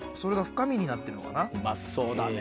うまそうだね。